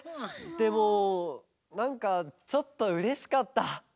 でもなんかちょっとうれしかった。